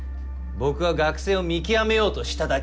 僕は学生を見極めようとしただけで。